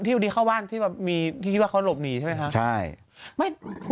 อ๋อที่ที่เข้าบ้านที่ว่าเขาหลบหนีใช่ไหมคะ